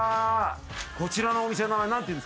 こちらのお店の名前何ていうんですか？